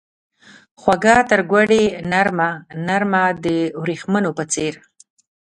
خوږه ترګوړې نرمه ، نرمه دوریښمو په څیر